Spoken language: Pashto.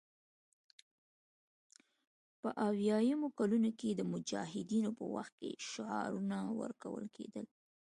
په اویایمو کلونو کې د مجاهدینو په وخت کې شعارونه ورکول کېدل